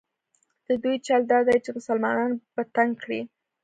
د دوی چل دا دی چې مسلمانان په تنګ کړي.